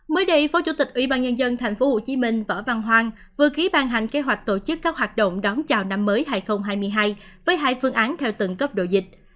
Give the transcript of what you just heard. mới đây phó chủ tịch ủy ban nhân dân tp hcm võ văn hoang vừa ký ban hành kế hoạch tổ chức các hoạt động đón chào năm mới hai nghìn hai mươi hai với hai phương án theo tận cấp độ dịch